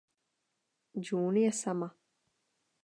June je sama.